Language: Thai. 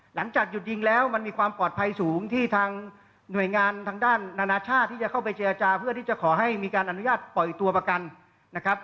หลังจากหยุดยิงแล้วมันมีความปลอดภัยสูงที่ทางหน่วยงานทางด้านนานาชาติที่จะเข้าไปเจรจาเพื่อที่จะขอให้มีการอนุญาตปล่อยตัวประกันนะครับ